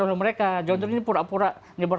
untuk mereka jodoh ini pura pura nyebar